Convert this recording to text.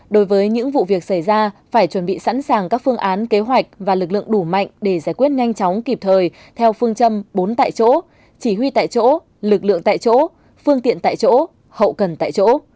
đối với những vụ việc xảy ra phải chuẩn bị sẵn sàng các phương án kế hoạch và lực lượng đủ mạnh để giải quyết nhanh chóng kịp thời theo phương châm bốn tại chỗ chỉ huy tại chỗ lực lượng tại chỗ phương tiện tại chỗ hậu cần tại chỗ